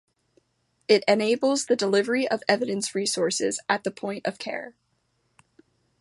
It enables the delivery of evidence resources at the point of care.